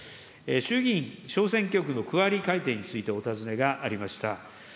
衆議院小選挙の区割り改定についてお尋ねがありました。